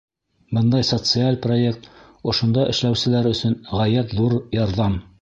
Бындай социаль проект — ошонда эшләүселәр өсөн ғәйәт ҙур ярҙам.